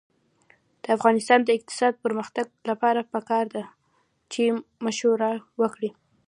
د افغانستان د اقتصادي پرمختګ لپاره پکار ده چې مشوره وکړو.